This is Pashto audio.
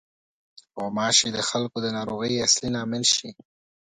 غوماشې د خلکو د ناروغۍ اصلي لامل شي.